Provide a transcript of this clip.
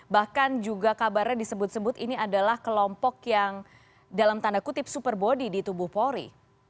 bahkan juga kabarnya disebut sebut ini adalah kelompok yang dalam tanda kutip super body di tubuh polri